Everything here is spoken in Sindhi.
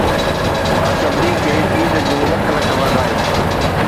مان سڀني کي عيد جون لک لک واڌايون